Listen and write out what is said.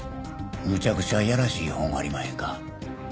むちゃくちゃやらしい本ありまへんか？